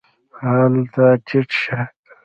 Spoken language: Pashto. هله ټیټ شه !